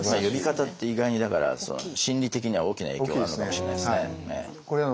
呼び方って意外に心理的には大きな影響があるのかもしれないですね。